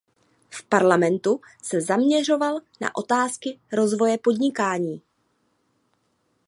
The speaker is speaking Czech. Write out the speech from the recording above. V parlamentu se zaměřoval na otázky rozvoje podnikání.